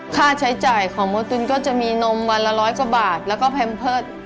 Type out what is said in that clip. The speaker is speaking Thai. ค่าใช้จ่ายของโมตุลก็จะมีนมวันละร้อยกว่าบาทแล้วก็แพมเพิร์ต